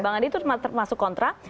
bang andi itu termasuk kontra